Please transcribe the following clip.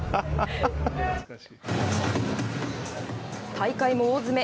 大会も大詰め。